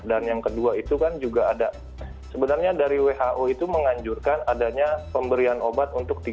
dan yang kedua itu kan juga ada sebenarnya dari who itu menganjurkan adanya pemberian obat untuk tiga bulan